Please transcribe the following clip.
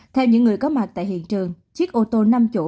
theo những người có mặt tại hiện trường chiếc ô tô năm chỗ